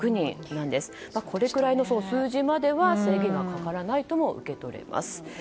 これくらいの数字までは制限がかからないとも受け止められます。